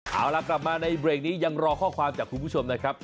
เอาล่ะกลับมาในเบรกนี้ยังรอข้อความจากคุณผู้ชมนะครับ